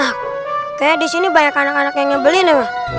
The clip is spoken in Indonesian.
ma kayaknya di sini banyak anak anak yang ngebelin ya ma